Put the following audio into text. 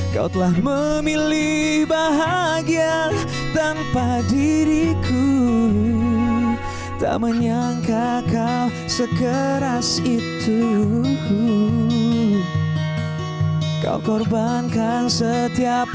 kau telah memilih bahagia tanpa diriku tak menyangka kau segera situ kau korbankan setiap